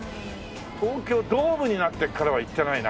東京ドームになってからは行ってないな。